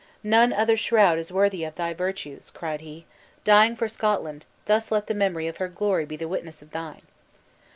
"None other shroud is worthy of thy virtues!" cried he. "Dying for Scotland, thus let the memorial of her glory be the witness of thine!"